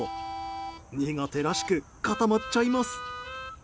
苦手らしく固まっちゃいます。